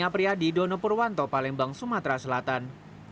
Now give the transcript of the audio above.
pria didono purwanto palembang sumatera selatan